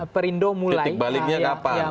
perindo mulai ketik baliknya kapan